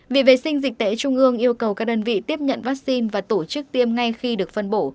viện vệ sinh dịch tễ trung ương yêu cầu các đơn vị tiếp nhận vaccine và tổ chức tiêm ngay khi được phân bổ